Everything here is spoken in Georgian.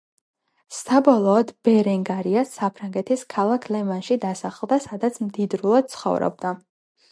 საბოლოოდ ბერენგარია საფრანგეთის ქალაქ ლე-მანში დასახლდა სადაც მდიდრულად ცხოვრობდა.